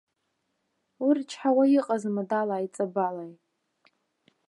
Уи рычҳауа иҟазма далааи ҵабалааи.